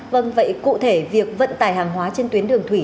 vâng vậy cụ thể việc vận tải hàng hóa trên tuyến đường thủy